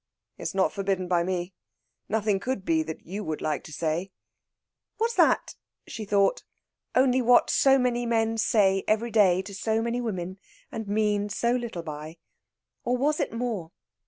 "It's not forbidden by me. Nothing could be, that you would like to say." Was that, she thought, only what so many men say every day to so many women, and mean so little by? Or was it more?